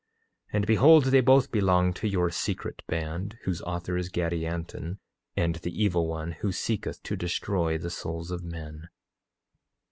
8:28 And behold, they both belong to your secret band, whose author is Gadianton and the evil one who seeketh to destroy the souls of men.